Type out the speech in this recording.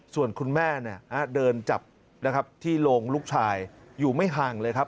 ส่วนคุณแม่เดินจับนะครับที่โรงลูกชายอยู่ไม่ห่างเลยครับ